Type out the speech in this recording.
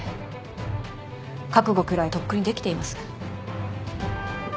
覚悟くらいとっくにできています。